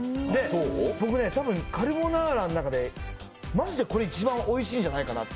僕ね、多分カルボナーラの中でマジでこれ、一番おいしいんじゃないかなと。